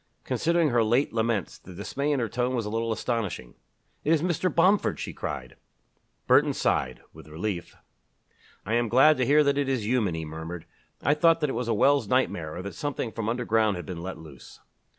Considering her late laments, the dismay in her tone was a little astonishing. "It is Mr. Bomford!" she cried. Burton sighed with relief. "I am glad to hear that it is human," he murmured. "I thought that it was a Wells nightmare or that something from underground had been let loose."